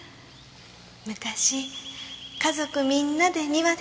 昔家族みんなで庭で育ててた。